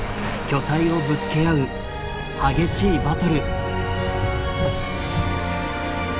巨体をぶつけ合う激しいバトル。